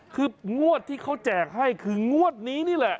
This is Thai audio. คืองวดที่เขาแจกให้คืองวดนี้นี่แหละ